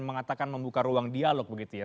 mengatakan membuka ruang dialog begitu ya